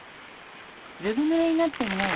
ずぶ濡れになってみなよ